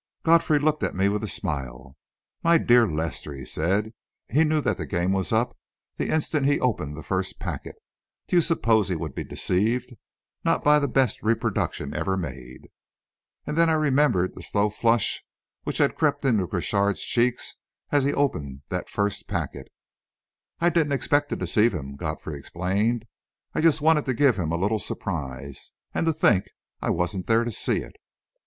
Godfrey looked at me with a smile. "My dear Lester," he said, "he knew that the game was up the instant he opened the first packet. Do you suppose he would be deceived? Not by the best reproduction ever made!" And then I remembered the slow flush which had crept into Crochard's cheeks as he opened that first packet! "I didn't expect to deceive him," Godfrey explained. "I just wanted to give him a little surprise. And to think I wasn't there to see it!"